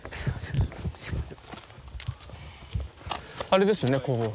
あれですよね工房。